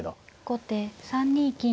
後手３二金寄。